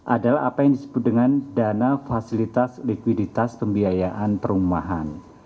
adalah apa yang disebut dengan dana fasilitas likuiditas pembiayaan perumahan